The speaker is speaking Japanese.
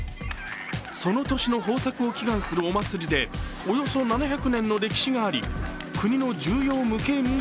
その年の豊作を祈願するお祭りでおよそ７００年の歴史があり国の重要無形民俗